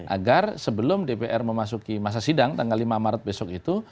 agar sebelum dpr memasuki masa sidang tanggal lima maret besok itu